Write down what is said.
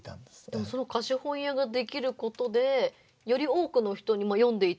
でもその貸本屋ができることでより多くの人に読んで頂く。